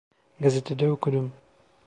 Gazetede okudum.